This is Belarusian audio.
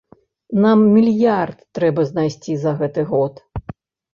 Нам мільярд трэба знайсці за гэты год.